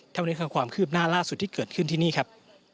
เท่านี้คือความคืบหน้าล่าสุดที่เกิดขึ้นที่นี่ครับ